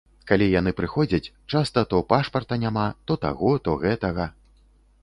Калі яны прыходзяць, часта то пашпарта няма, то таго, то гэтага.